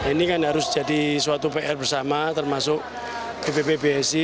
ini kan harus jadi suatu pr bersama termasuk bppbsi